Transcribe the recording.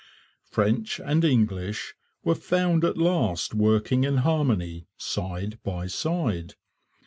French and English were found at last working in harmony, side by side.